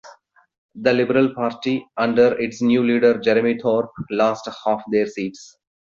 The Liberal Party, under its new leader Jeremy Thorpe, lost half their seats.